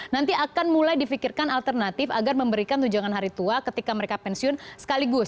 nanti akan mulai difikirkan alternatif agar memberikan tunjangan hari tua ketika mereka pensiun sekaligus